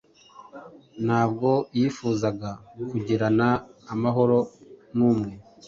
Ntabwo yifuzaga kugirana amahoro numwe